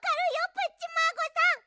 プッチマーゴさん！